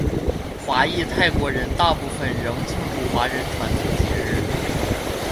华裔泰国人大部分仍庆祝华人传统节日。